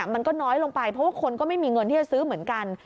มันก็น้อยลงไปเพราะว่าคนก็ไม่มีเงินที่จะซื้อเหมือนกัน